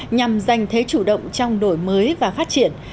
nhằm giành thế chủ động trong đổi mới và phát triển